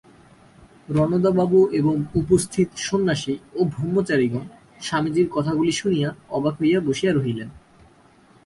রণদাবাবু এবং উপস্থিত সন্ন্যাসী ও ব্রহ্মচারিগণ স্বামীজীর কথাগুলি শুনিয়া অবাক হইয়া বসিয়া রহিলেন।